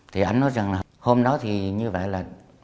thì anh nói rằng là hôm đó thì như vậy là